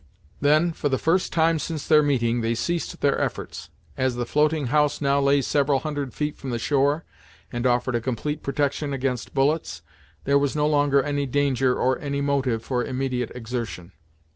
Then, for the first time since their meeting, they ceased their efforts. As the floating house now lay several hundred feet from the shore, and offered a complete protection against bullets, there was no longer any danger or any motive for immediate exertion.